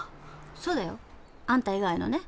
そうだよ。あんた以外のね。